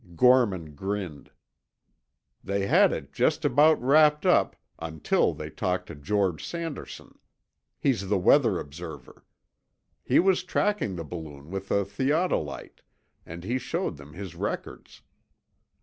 Gorman grinned. "They had it just about wrapped up—until they talked to George Sanderson. He's the weather observer. He was tracking the balloon with a theodolite, and he showed them his records.